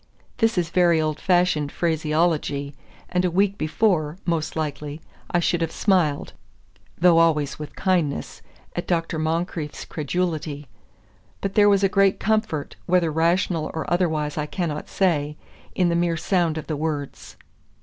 This is very old fashioned phraseology, and a week before, most likely, I should have smiled (though always with kindness) at Dr. Moncrieff's credulity; but there was a great comfort, whether rational or otherwise I cannot say, in the mere sound of the words.